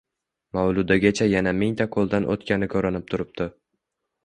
Mavludagacha yana mingta qo‘ldan o‘tgani ko‘rinib turibdi.